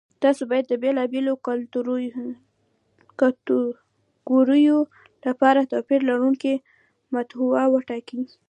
تاسو باید د بېلابېلو کتګوریو لپاره توپیر لرونکې محتوا وټاکئ.